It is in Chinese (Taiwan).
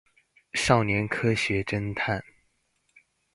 少年科學偵探